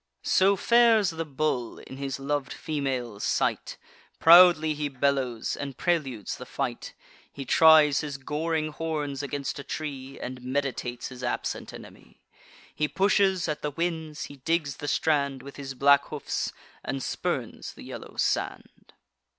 So fares the bull in his lov'd female's sight: Proudly he bellows, and preludes the fight; He tries his goring horns against a tree, And meditates his absent enemy; He pushes at the winds; he digs the strand With his black hoofs, and spurns the yellow sand.